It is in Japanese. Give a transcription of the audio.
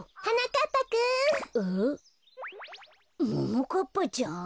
ももかっぱちゃん？